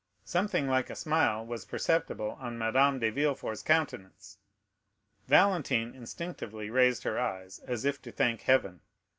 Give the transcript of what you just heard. Something like a smile was perceptible on Madame de Villefort's countenance. Valentine instinctively raised her eyes, as if to thank heaven.